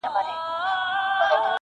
ستا په دې معاش نو کمه خوا سمېږي,